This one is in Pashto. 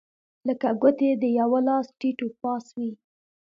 لکه ګوتې د یوه لاس ټیت و پاس وې.